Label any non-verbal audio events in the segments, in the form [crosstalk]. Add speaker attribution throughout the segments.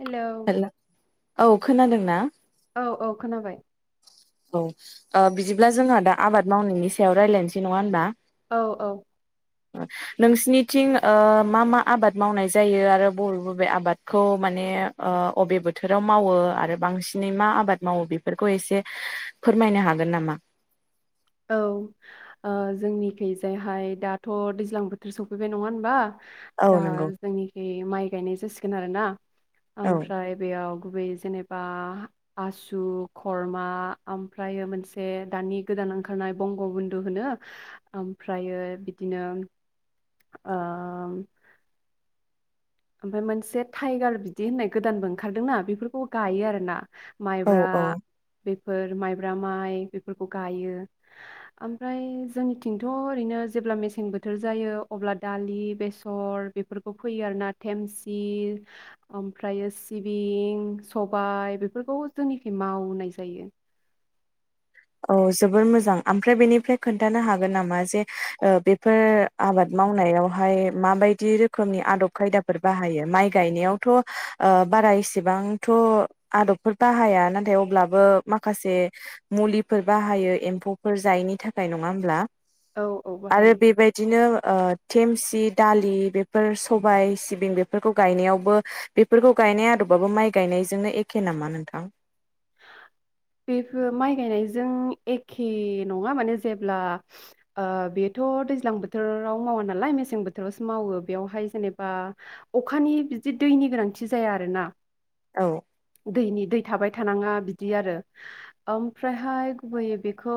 Speaker 1: Hello.
Speaker 2: Hello औ खोनादों ना?
Speaker 1: औ औ खोनाबाय।
Speaker 2: औ ओ बिदिब्ला जोंहा दा आबाद मावनायनि सायाव रायलायनोसै नङा होनबा?
Speaker 1: औ औ
Speaker 2: ओ नोंसिनिथिं ओ मा मा आबाद मावनाय जायो आरो बबे बबे आबादखौ माने ओ अबे बोथोराव मावो आरो बांसिनै मा आबाद मावो बेफोरखौ एसे फोरमायनो हागोन नामा?
Speaker 1: औ ओ जोंनिखैजायहाय दाथ' दैज्लां बोथोर सफैबाय नङा होनबा?
Speaker 2: औ
Speaker 1: दा
Speaker 2: नंगौ
Speaker 1: जोंनिखि माइ गायनाय जासिगोन आरो ना।
Speaker 2: औ
Speaker 1: ओमफ्राय बेयाव गुबै जेनेबा आसु, खरमा ओमफ्रायो मोनसे दानि गोदान ओंख खारनाय बंग' बन्धु होनो ओमफ्रायो बिदिनो ओ ओमफाय मोनसे थाइगार बिदि होननाय गोदानबो ओंखारदोंना बेफोरखौ गायो आरो ना।
Speaker 2: औ
Speaker 1: माइब्रा
Speaker 2: औ
Speaker 1: बेफ फोर माइब्रा माइ बेफोरखौ गायो ओमफ्राय जोंनिथिंथ' ओरैनो जेब्ला मेसें बोथोर जायो अब्ला दालि बेसर बेफोरखौ फोयो आरो ना। धेमसि ओमफ्रायो सिबिं, सबाय, बेफोरखौ जोंनिखै मावनाय जायो।
Speaker 2: औ जोबोर मोजां ओमफ्राय बेनिफ्राय खोन्थानो हागोन नामा जे ओ बेफोर आबाद मावनायावहाय माबायदि रोखोमनि आदब खायदाफोर बाहायो माइ गायनायावथ' ओ बारा एसेबांथ' आदबफोर बाहाया नाथाय अब्लाबो माखासे मुलिफोर बाहायो एम्फौफोर जायैनि थाखाय नङा होमब्ला?
Speaker 1: औ औ
Speaker 2: आरो
Speaker 1: बाहायो
Speaker 2: बेबायदिनो ओ धेमस सि, दालि बेफोर सबाय सिबिं बेफोरखौ गायनायावबो बेफोरखौ गायनाय आदबावबो माइ गायनायजोंनो एखे नामा नोंथां?
Speaker 1: बेफोर माइ गायनायजों एखे नङा माने जेब्ला ओ बेथ' दैज्लां बोथोराव मावा नालाय मेसें बोथोरावसो मावो बेवहाय जेनेबा अखानि बिदि दैनि गोनांथि जाया आरोना।
Speaker 2: औ
Speaker 1: दैनि दै थाबाय थानाङा बिदि आरो ओमफ्रायहाय गुबैयै बेखौ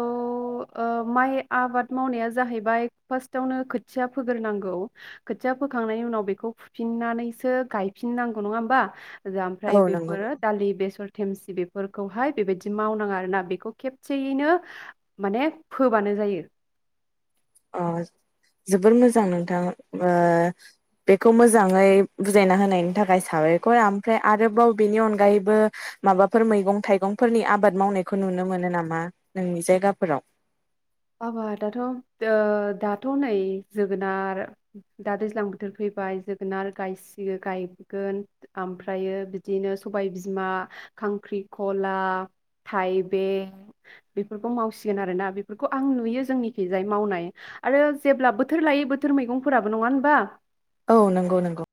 Speaker 1: ओ माइ आबाद मावनाया जाहैबाय फार्स्टआवनो खोथिया फोग्रोनांगौ खोथिया फोखांनायनि उनाव बेखौ फुफिननानैसो गायफिननांगौ नङा होनबा?
Speaker 2: औ
Speaker 1: ओमफ्राय
Speaker 2: नंगौ
Speaker 1: बेफोरो
Speaker 2: नंगौ
Speaker 1: दालि, बेसर बेफोरखौहाय बेबायदि मावनाङा आरोना बेखौ खेबसेयैनो माने फोबानो जायो।
Speaker 2: अ जोबोर मोजां नोंथां ओ बेखौ मोजाङै बुजायना होनायनि थाखाय साबायखर ओमफ्राय आरोबाव बेनि अनगायैबो माबाफोर मैगं थाइगंफोरनि आबाद मावनायखौ नुनो मोनो नामा नोंनि जायगाफोराव?
Speaker 1: आबादाथ' ओ दाथ' नै जोगोनार दा दैज्लां बोथोर फैबाय जोगोनार गायसि-गायसिगोन गायगोन ओमफ्रायो बिदिनो सबाय बिमा, खांख्रिखला थाइबें बेफोरखौ मावसिगोन आरोना बे फोरखौ आं नुयो जोंनिखैजाय मावनाय आरो जेब्ला बोथोर लायै बोथोर मैगंफोराबो नङा होनबा?
Speaker 2: औ नंगौ नंगौ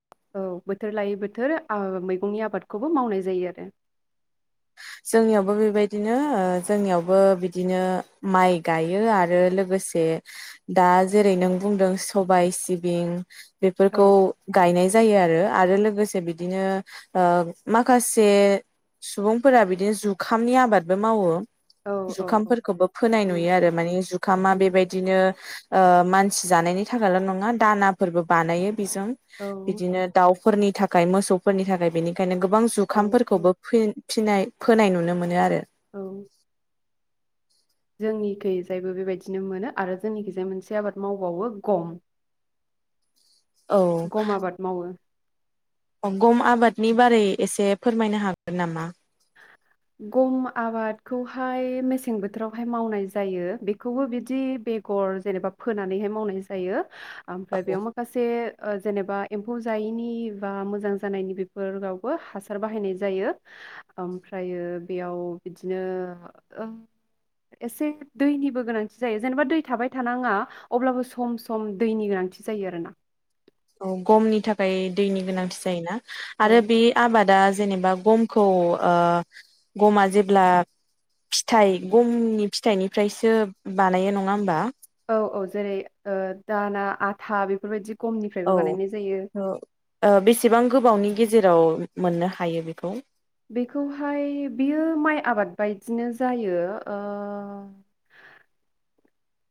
Speaker 1: औ बोथोर लायै बोथोर ओ मैगंनि आबादखौबो मावनाय जायो आरो।
Speaker 2: जोंनियावबो बेबायदिनो ओ जोंनियावबो बिदिनो माइ गायो आरो लोगोसे दा जेरै नों बुंदों सबाय सिबिं बेफोरखौ गायनाय जायो आरो। आरो लोगोसे बिदिनो ओ माखासे सुबुं फोरा बिदिनो जुखामनि आबादबो मावो।
Speaker 1: औ औ औ
Speaker 2: जुखामफोरखौबो फोनाय
Speaker 1: उम
Speaker 2: नुयो आरो माने जुखामा
Speaker 1: उम
Speaker 2: बेबायदिनो ओ मानसि जानायनि थाखायल' नङा दानाफोरबो बानायो बिजों
Speaker 1: औ
Speaker 2: बिदिनो दाउ फोरनि थाखाय मोसौफोरनि थाखाय बेनिखायनो गोब गोबां
Speaker 1: औ
Speaker 2: जुखामफोरखौबो
Speaker 1: औ
Speaker 2: फो फिनाय फोनाय नुनो मोनो आरो।
Speaker 1: औ जोंनिखैजायबो बेबायदिनो मोनो आरो जोंनिखैजाय मोनसे आबाद मावबावो गम। गम आबाद मावो।
Speaker 2: गम आबादनि बारै एसे फोरमायनो हागोन नामा?
Speaker 1: गम आबादखौहाय मेसें बोथोरावहाय मावनाय जायो। बेखौबो बिदि बेगर जेनेबा फोनानैहाय मावनाय जायो।
Speaker 2: औ
Speaker 1: ओमफ्राय बेयाव माखासे ओ जेनेबा एम्फौ जायैनि बा मोजां जानायनि बेफोरावबो हासार बाहायनाय जायो। ओमफ्रायो बेयाव बिदिनो एसे दैनिबो गोनांथि जायो जेनेबा दै थाबाय थानाङा अब्लाबो सम सम दैनि गोनांथि जायो आरोना।
Speaker 2: औ गमनि थाखाय दैनि गोनांथि जायोना?
Speaker 1: औ
Speaker 2: आरो बे आबादा जेनेबा गमखौ ओ गमा जेब्ला फिथाइ गमनि फिथाइनिफ्रायसो बानायो नङा होमबा?
Speaker 1: औ औ जेरै ओ दाना आथा बेफोरबायदि गमनिफ्रायबो
Speaker 2: औ
Speaker 1: बानायनाय जायो
Speaker 2: औ बेसेबां गोबावनि गेजेराव मोननो हायो बेखौ।
Speaker 1: बेखौहाय बियो माइ आबाद बायदिनो जायो ओ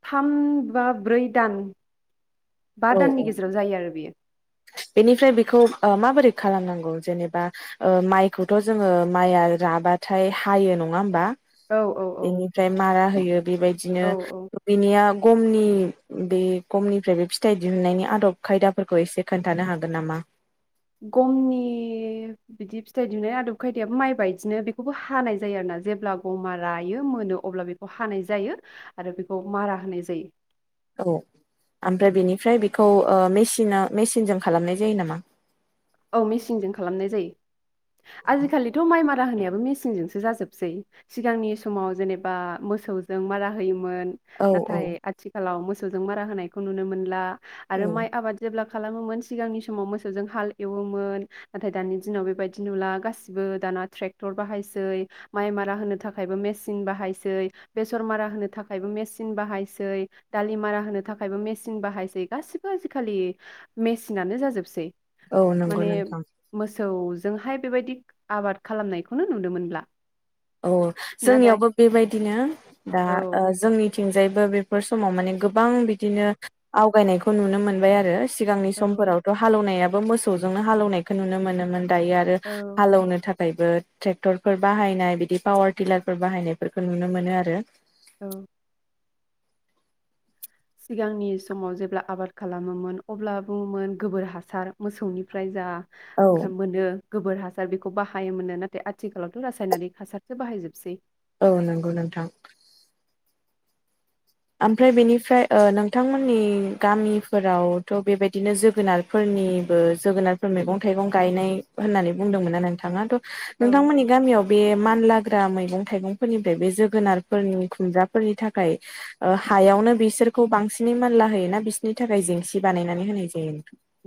Speaker 1: थाम बा ब्रै दान बा
Speaker 2: औ
Speaker 1: दाननि
Speaker 2: औ
Speaker 1: गेजेराव जायो आरो बियो
Speaker 2: बेनिफ्राय बेखौ माबादि दि खालामनांगौ जेनेबा माइखौथ' जोङो माइआ राबाथाय हायो नङा होमबा?
Speaker 1: औ औ औ
Speaker 2: बेनिफ्राय मारा होय बेबायदिनो
Speaker 1: औ औ
Speaker 2: बेनिया गमनि बे गमनिफ्रायबो फि थाइ दिहुननायनि आदब खायदाफोरखौ एसे खोन्थानो हागोन नामा?
Speaker 1: गमनि बिदि फिथाइ दिहुनाय आदब खायदायाबो माइ बायदिनो बेखौबो हानाय जायो आरोना जेब्ला गमा रायो मोनो अब्ला बेखौ हानाय जायो आरो बेखौ मारा होनाय जायो।
Speaker 2: औ ओमफ्राय बेनिफ्राय बेखौ ओ मेसिना मेसिनजों खालामनाय जायो नामा?
Speaker 1: औ मिसिंजों खालामनाय जायो। आजिखालिथ' माइ मा रां होनायाबो मेसिनजोंसो जाजोबसै सिगांनि समाव जेनेबा मोसौजों मारा होयो मोन
Speaker 2: औ औ
Speaker 1: नाथाय आथिलाव मो सौजों मारा होनायखौ नुनो मोनला।
Speaker 2: औ
Speaker 1: आरो माइ आबाद जेब्ला खालामोमोन सिगांनि समाव मोसौजों हालि एवोमोन नाथाय दानि दिनाव बेबायदि नुला गासिबो दाना ट्रेक्टर बाहायसै माइ मारा होनो थाखायबो मेसिन बाहायसै बेसर मारा होनो थाखायबो मेचिन बाहायसै दालि मारा होनो थाखायबो मेचिन बाहायसै गासिबो आजिखालि मेसिनानो जाजोबसै।
Speaker 2: औ नंगौ नोंथां।
Speaker 1: सौ जोंहाय बेबायदि आबाद खालामनायखौनो नुनो मोनब्ला।
Speaker 2: औ जोंनियावबो बेबायदिनो दा
Speaker 1: औ
Speaker 2: ओ जोंनिथिंजाय बो बेफोर समाव माने गोबां बिदिनो आवगायनायखौ नुनो मोनबाय आरो। सिगांनि
Speaker 1: औ
Speaker 2: समफोरावथ' हालौनायाव बो मोसौजोंनो हालौनायखौ नुनो मोनोमोन। दायो आरो
Speaker 1: औ
Speaker 2: हालौवनो थाख बो ट्रेक्टरफोर बाहायनाय बि दि पावार टिलारफोर बाहायनायफोरखौ नुनो मोनो आरो।
Speaker 1: औ। सिगांनि समाव जेब्ला आबाद खालामोमोन अब्ला बुङोमोन गोबोर हासार मोसौनिफ्राय जा
Speaker 2: औ
Speaker 1: ओंखाम मोनो गोबोर हासार बेखौ बाहायोमोननो नाथाय आथिखालावथ' रासायनारिक हासारसो बाहायजोबसै।
Speaker 2: औ नंगौ नोंथां। ओमफ्राय बेनिफ्राय ओ नोंथांमोननि गामिफोरावथ' बेबायदिनो जोगोनारफोरनिबो जोगोनारफोर मैगं थाइगं गायनाय होननानै बुंदोंमोना नोंथाङा
Speaker 1: औ औ
Speaker 2: नोंथांमोननि गामियाव बे मानला ग्रा मैगं थाइगंफोरनिफ्राय बे जोगोनारफोरनि खुमगब्राफोरनि थाखाय ओ हायावनो बिसोरखौ बांसिनै मानला होयोना बिसोरनि थाखाय जेंसि बानायनानै होनाय जायो।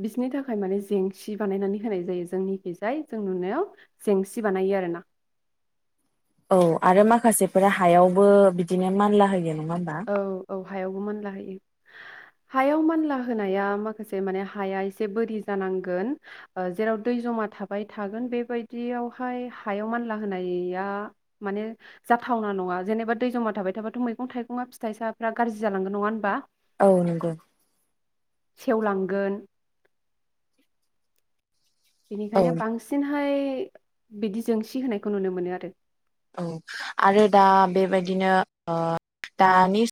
Speaker 1: बिसिनि थाखाय माने जेंसि बानायनानै होनाय जायो जोंनिखिजाय जों नुनायाव जेंसि बानायो आरोना।
Speaker 2: औ आरो मा खासेफोरा हायावबो बिदिनो मानला होयोमोन।
Speaker 1: औ औ हायावबो मानलाहोयो। हायाव मानला होनाया माखासे माने हाया एसे बोरि जानांगोन ओ जेराव दै जमा थाबाय थागोन बेबायदियावहाय हायाव मानला होनाया माने जाथावना नङा जेनेबा दै जमा थाबाय थाबाथ' मैगं थाइगं ङा फिथाइ साफ्रा गाज्रि जालांगोन नङा होनबा?
Speaker 2: औ नंगौ।
Speaker 1: सेवलांगोन
Speaker 2: औ
Speaker 1: बेनिखायनो बांसिन हाय बिदि जोंसि होनायखौ नुनो मोनो आरो
Speaker 2: औ आरो दा बेबायदिनो दानि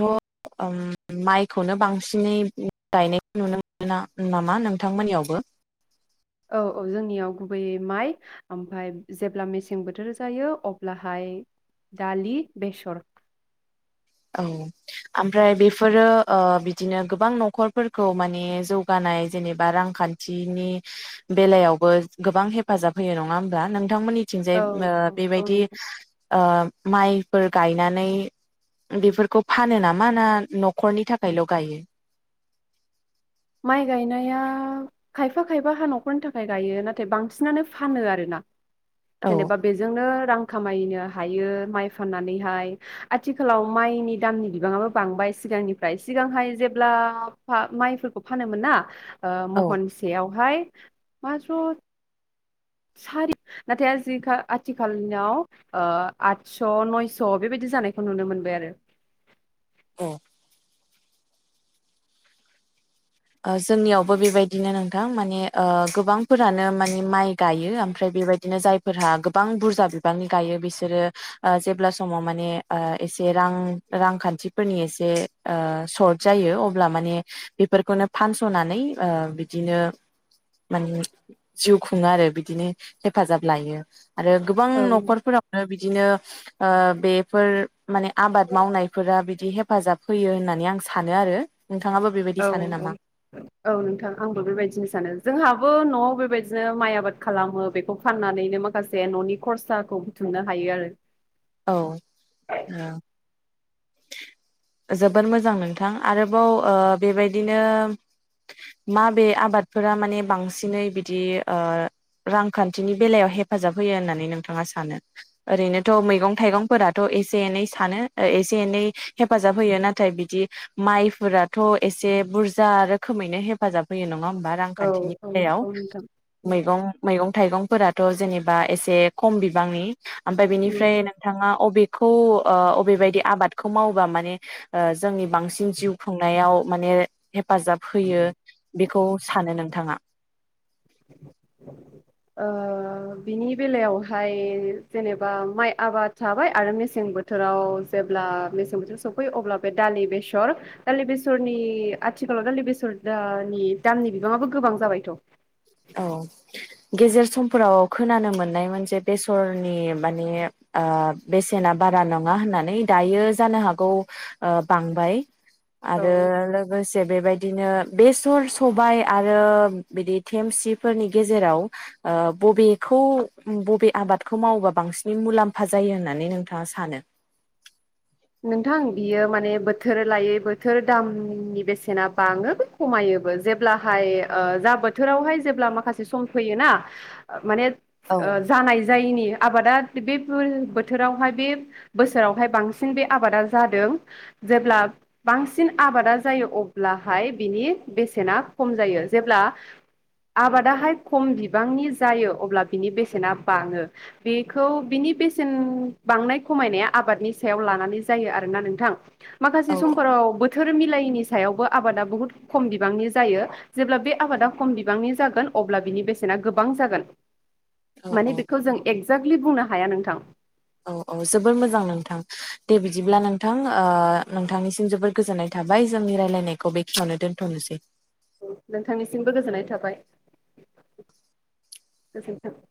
Speaker 2: थ ओम माइखौनो बांसिनै गायनायखौ नुनो मोनोना नामा नोंथांमोननियावबो
Speaker 1: औ औ जोंनियाव गुबैयै माइ ओमफाय जेब्ला मेसें बोथोर जायो अब्लाहाय दालि बेसर
Speaker 2: औ ओमफ्राय बेफोरो ओ बिदिनो गोबां नखरफोरखौ माने जौगानाय जेनेबा रांखान्थिनि बेलायावबो गोबां हेफाजाब होयो नङा होमबा नोंथांमोननि थिंजाय
Speaker 1: औ
Speaker 2: ओ
Speaker 1: औ औ
Speaker 2: बेबायदि
Speaker 1: नंगौ
Speaker 2: ओ माइफोर गायनानै बेफोरखौ फानो नामा ना नखरनि थाखायल गायो?
Speaker 1: माइ गायनाया खायफा खायफा हा नखरनि थाखाय गायो नाथाय बांसिनानो फानो आरो ना
Speaker 2: औ
Speaker 1: जेनेबा बेजोंनो रां खामायनो हायो माइ फाननानैहाय आथिखालाव माइनि दामनि बिबाङाबो बांबाय सिगांनिफ्राय सिगांहाय जेब्ला माइफोरखौ फानोमोन ना ओ
Speaker 2: औ
Speaker 1: महनसेयावहाय मा स सारि नाथाय आजिखा आथिखालाव ओ आठस नयस बेबायदि जानायखौ नुनो मोनबाय आरो
Speaker 2: औ ओ जोंनियावबो बेबायदिनो नोंथां माने ओ गोबांफोरानो माने माइ गायो ओमफ्राय बेबायदिनो जायफोरहा गोबां बुरजा बिबांनि गायो बिसोरो ओ जेब्ला समाव माने ओ एसे रां रांखान्थिफोरनि एसे ओ सर्ट जायो अब्ला माने बेफोरखौनो फानसनानै ओ बिदिनो माने जिउ खुंङो आरो बिदिनो हेफाजाब लायो आरो गोबां
Speaker 1: औ
Speaker 2: नखरफोरावनो बिदिनो ओ बेफोर माने आबाद मावनायफोरा बिदि हेफाजाब होयो होननानै आं सानो आरो नोंथाङाबो बेबायदि
Speaker 1: औ
Speaker 2: सानो नामा?
Speaker 1: औ औ नोंथां आंबो बेबायदिनो सानो जोंहाबो नआव बेबायदिनो माइ आबाद खालामो बेखौ फाननानैनो माखासे न'नि खरसाखौ बुथुमनो हायो आरो।
Speaker 2: औ ओ। जोबोर मोजां नोंथां आरोबाव ओ बेबायदिनो माबे आबादफोरा माने बांसिनै बिदि ओ रांखान्थिनि बेलायाव हेफाजाब होयो होननानै नोंथाङा सानो ओरैनोथ' मैगं थाइगंफोराथ' एसे एनै सानो एस एनै हेफाजाब होयो नाथाय बिदि माइफोराथ' एसे बुरजा रोखोमैनो हेफाजाब होयो नङा बा
Speaker 1: औ
Speaker 2: रांखान्थिनि
Speaker 1: औ
Speaker 2: बेलायाव
Speaker 1: औ नोंथां
Speaker 2: मैंगं मैगं थाइगं फोराथ' जेनेबा एसे खम बिबांनि। ओमफ्राय बिनिफ्राय
Speaker 1: ओ
Speaker 2: नोंथाङा अबे खौ ओ अबेबायदि आबाद खौ मावबा माने ओ जोंनि बांसिन जिउ खुंनायाव माने हेफाजाब होयो बेखौ सानो नोंथाङा।
Speaker 1: [inaudible] ओ बिनि बेलायावहाय जेनेबा माइ आबाद थाबाय आरो मेसें बोथोराव जेब्ला मेसें बोथोराव सफैयो अब्ला बे दालि बेसर दालि बेसरनि आथिखालाव दालि बेसरनि दामनि बिबाङाबो गोबां जाबायथ'।
Speaker 2: औ गेजेर समफोराव खोनानो मोननायमोन जे बेसरनि माने ओ बेसेना बारा नङा होननानै दायो जानो हागौ ओ बांबाय। आरो
Speaker 1: औ
Speaker 2: लोगोसे बे-बेबायदिनो बेसर सबाय आरो बिदि थेमसिफोरनि गेजेराव ओ बबेखौ बबे आबादखौ मावोबा बांसिन मुलाम्फा जायो होननानै नोंथाङा सानो?
Speaker 1: नोंथां बियो माने बोथोर लायै बोथोर दामनि बेसेना बाङो खमायोबो जेब्लाहाय ओ जा बोथोरावहाय जेब्ला माखासे सम फैयोना माने
Speaker 2: औ
Speaker 1: ओ जानाय जायैनि आबादा बे-बेफोर बोथोरावहाय बे बोसोरावहाय बांसिन फिन बे आबादा जादों जेब्ला बांसिन आबादा जायो अब्लाहाय बिनि बेसेना खम जायो जेब्ला आबादाहाय खम बिबांनि जायो अब्ला बिनि बेसेना बाङो बेखौ बिनि बेसेन बांनाय खमायनाया आबादनि स सायाव लानानै जायो आरोना नोंथां।
Speaker 2: औ
Speaker 1: माखासे समफोराव बो बोथोर मिलायैनि सायावबो आबादा बहुत खम बिबांनि जायो जेब्ला बे आबादा खम बिबांनि जागोन अब्ला बिनि बेसेना गोबां जागोन।
Speaker 2: औ
Speaker 1: माने
Speaker 2: औ
Speaker 1: बेखौ जों एग एक्जक्लि बुंनो हाया नोंथां।
Speaker 2: औ औ जोबोर मोजां नोंथां। दे बिदिब्ला नोंथां ओ नोंथांनिसिम जोबोर गोजोननाय थाबाय जोंनि रायलायनायखौ बेखिनियावनो दोनथ'नोसै।
Speaker 1: नोंथांनिसिमबो गोजोननाय थाबाय गोजोनथों।